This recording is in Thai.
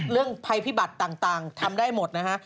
เรื่องภัยพิบัตรต่างทำได้หมดนะคะ